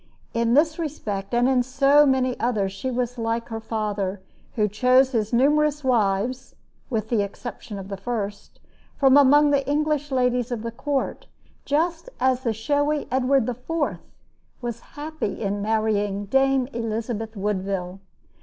In this respect, as in so many others, she was like her father, who chose his numerous wives, with the exception of the first, from among the English ladies of the court; just as the showy Edward IV. was happy in marrying "Dame Elizabeth Woodville."